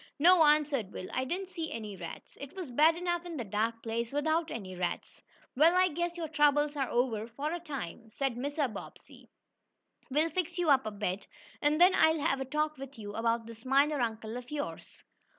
"No," answered Will, "I didn't see any rats. It was bad enough in the dark place, without any rats." "Well, I guess your troubles are over, for a time," said Mr. Bobbsey. "We'll fix you up a bed, and then I'll have a talk with you about this miner uncle of yours."